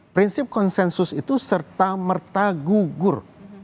prinsip konsensus itu serta merta gugur